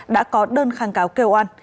đã có đơn kháng cáo kêu an